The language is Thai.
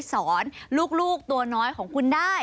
สอนลูกตัวน้อยของคุณได้